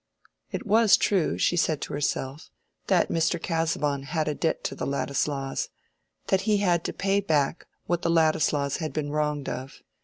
It was true, she said to herself, that Mr. Casaubon had a debt to the Ladislaws—that he had to pay back what the Ladislaws had been wronged of.